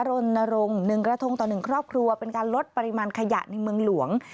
รณรงค์๑กระทงต่อ๑ครอบครัวเป็นการลดปริมาณขยะในเมืองหลวง